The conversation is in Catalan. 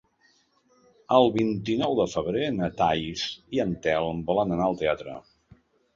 El vint-i-nou de febrer na Thaís i en Telm volen anar al teatre.